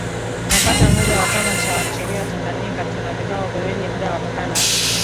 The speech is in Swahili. Napata muda wa chama cha wanasheria Tanganyika tuna vikao viwili muda wa kukaa na